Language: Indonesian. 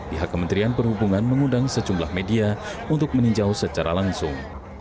pihak kementerian perhubungan mengundang sejumlah media untuk meninjau secara langsung